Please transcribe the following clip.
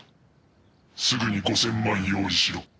「すぐに５千万用意しろ。